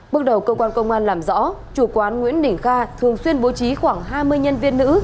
bước đầu cơ quan công an làm rõ chủ quán nguyễn đình kha thường xuyên bố trí khoảng hai mươi nhân viên nữ